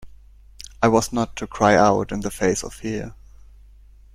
I was not to cry out in the face of fear.